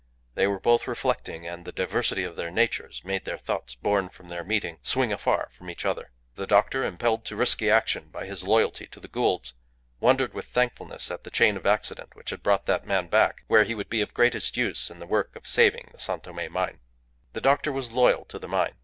They were both reflecting, and the diversity of their natures made their thoughts born from their meeting swing afar from each other. The doctor, impelled to risky action by his loyalty to the Goulds, wondered with thankfulness at the chain of accident which had brought that man back where he would be of the greatest use in the work of saving the San Tome mine. The doctor was loyal to the mine.